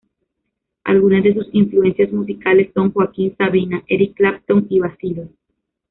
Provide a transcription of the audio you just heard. Algunas de sus influencias musicales son Joaquín Sabina, Eric Clapton y Bacilos.